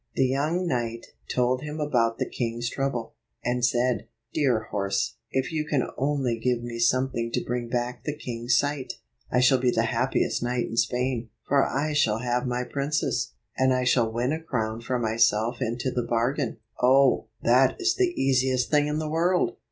The young knight told him about the king's trouble, and said, "Dear horse, if you can only give me something to bring back the king's sight, I shall be the happiest knight in Spain, for I shall have my princess, and I shall win a crown for myself into the bargain." "Oh, that is the easiest thing in the world!"